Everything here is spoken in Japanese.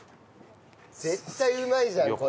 絶対うまいじゃんこれ。